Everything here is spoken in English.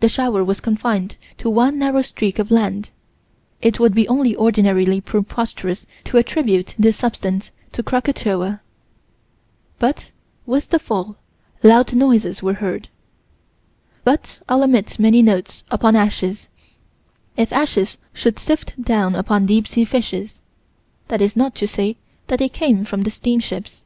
The shower was confined to one narrow streak of land. It would be only ordinarily preposterous to attribute this substance to Krakatoa But, with the fall, loud noises were heard But I'll omit many notes upon ashes: if ashes should sift down upon deep sea fishes, that is not to say that they came from steamships.